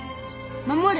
守る。